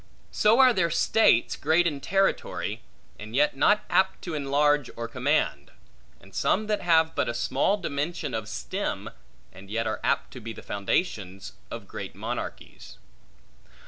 So are there states, great in territory, and yet not apt to enlarge or command; and some that have but a small dimension of stem, and yet apt to be the foundations of great monarchies.